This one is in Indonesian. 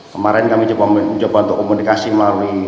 kemarin kami mencoba untuk komunikasi melalui